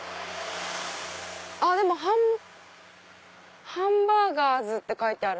でもハン「ハンバーガーズ」って書いてある。